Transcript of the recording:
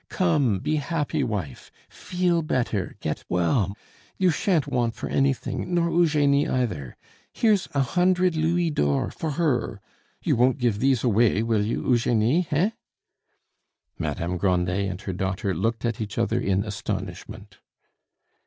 "Come, be happy, wife! feel better, get well; you sha'n't want for anything, nor Eugenie either. Here's a hundred louis d'or for her. You won't give these away, will you, Eugenie, hein?" Madame Grandet and her daughter looked at each other in astonishment.